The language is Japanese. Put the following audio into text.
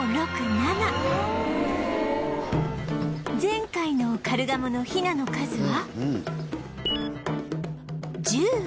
前回のカルガモのヒナの数は１０羽